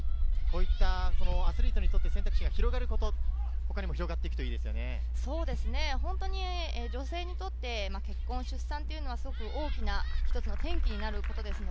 アスリートにとって、選択肢が広がること、他にも女性にとって結婚、出産というのは、大きな一つの転機になります。